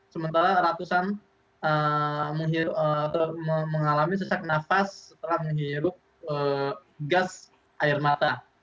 sementara ratusan mengalami sesak nafas setelah menghirup gas air mata